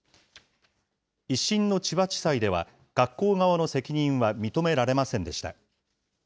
１審の千葉地裁では、学校側の責任は認められませんでした。